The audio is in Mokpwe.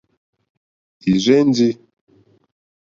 Ì rzɛ́ndī.